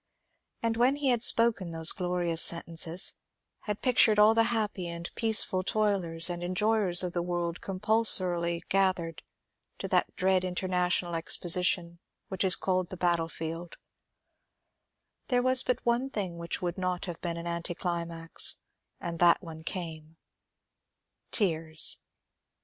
And when he had spoken those glorious sen tences, had pictured all the happy and peaceful toilers and enjoyers of the world compulsorily gathered ^^ to that dread international exposition which is called the battlefield," there was but one thing which would not have been an anticlimax, and that one came — tears.